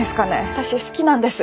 私好きなんです。